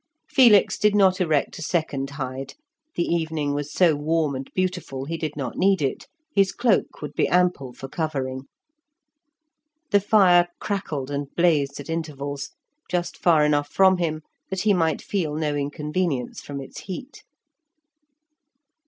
Felix did not erect a second hide, the evening was so warm and beautiful he did not need it, his cloak would be ample for covering. The fire crackled and blazed at intervals, just far enough from him that he might feel no inconvenience from its heat.